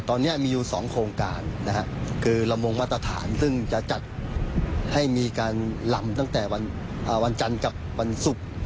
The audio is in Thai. ตอนนี้มีอยู่๒โครงการคือลำวงมาตรฐานซึ่งจะจัดให้มีการลำตั้งแต่วันจันทร์กับวันศุกร์